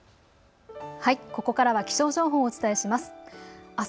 ここからは気象情報をお伝えします。